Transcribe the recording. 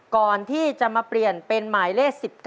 ก่อนที่จะมาเปลี่ยนเป็นหมายเลข๑๙